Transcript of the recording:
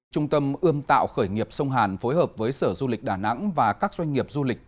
trung tâm ươm tạo khởi nghiệp sông hàn phối hợp với sở du lịch đà nẵng và các doanh nghiệp du lịch